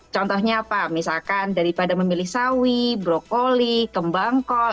contohnya apa misalkan daripada memilih sawi brokoli kembang kol